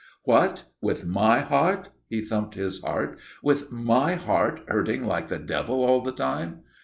"What? With my heart" he thumped his heart "with my heart hurting like the devil all the time?"